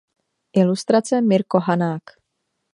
Ilustrace Mirko Hanák.